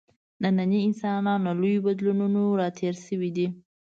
نننی انسان له لویو بدلونونو راتېر شوی دی.